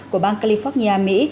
của bang california mỹ